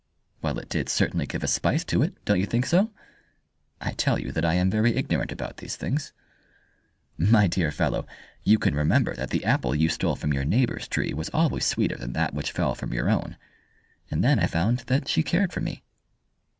"Well, it did certainly give a spice to it. Don't you think so?" "I tell you that I am very ignorant about these things." "My dear fellow, you can remember that the apple you stole from your neighbour's tree was always sweeter than that which fell from your own. And then I found that she cared for me."